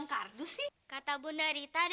pasti tidak akaniedy